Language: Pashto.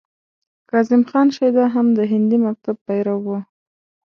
کاظم خان شیدا هم د هندي مکتب پیرو و.